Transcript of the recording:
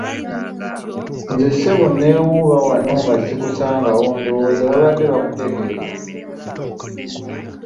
Nze ssebo neewuba wano nga sikusangawo; ndowooza babadde bakutegeeza.